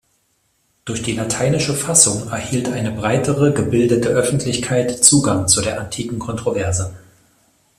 Durch die lateinische Fassung erhielt eine breitere gebildete Öffentlichkeit Zugang zu der antiken Kontroverse.